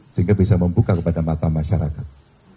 sehingga bisa membuka kepada mata masyarakat